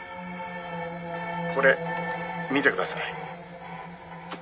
「これ見てください」「」